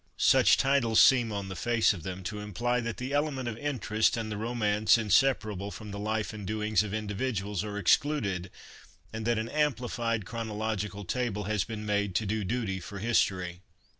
Such titles seem on the face of them to imply that the element of interest and the romance inseparable from the life and doings of in dividuals are excluded, and that an amplified chrono logical table has been made to do duty for history.